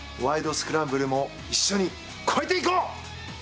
スクランブル」も一緒に超えていこう！